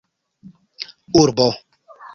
urbo